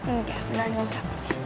enggak beneran gak usah